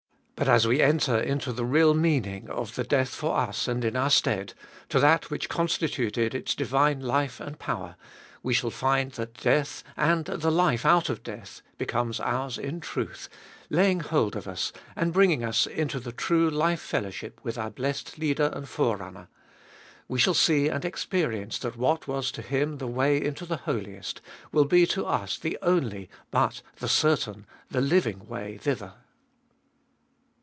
But as we enter into the real meaning of the death for us and in our stead, to that which constituted its divine life and power, we shall find that death and the life out of death becomes ours in truth, laying hold of us, and bringing us into the true life fellowship with our blessed Leader and Forerunner ; we shall see and experience that what was to Him the way into the Holiest will be to us the only but the certain, the living way thither.